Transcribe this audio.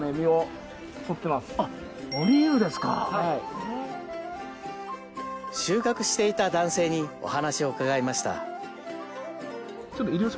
あっオリーブですかはい収穫していた男性にお話を伺いました